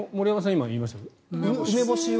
今言いましたけど梅干しは。